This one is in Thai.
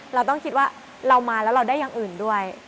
เราต้องคิดว่าเรามาแล้วเราได้อย่างอื่นด้วย